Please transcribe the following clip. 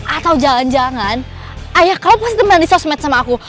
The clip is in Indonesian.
atau jangan jangan ayah kamu pasti main di sosmed sama aku